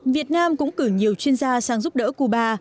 việt nam cũng cử nhiều chuyên gia sang giúp đỡ cuba